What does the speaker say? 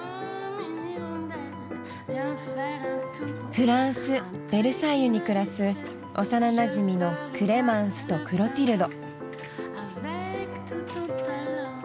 フランス・ベルサイユに暮らす幼なじみのクレマンスとクロティルド。